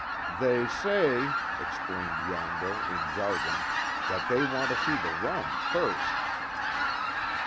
"They say," explained Yondo, in jargon, "That they want to see the rum first."